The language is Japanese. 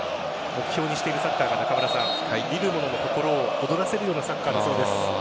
目標にしているサッカーが見ている者の胸を躍らせるサッカーだそうです。